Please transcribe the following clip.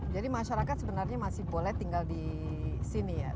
jadi masyarakat sebenarnya masih boleh tinggal di sini ya